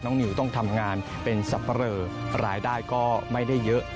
นิวต้องทำงานเป็นสับปะเรอรายได้ก็ไม่ได้เยอะ